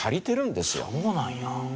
そうなんや。